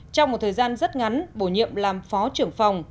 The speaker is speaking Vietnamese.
trong một thời gian rất ngắn bổ nhiệm làm phó trưởng phòng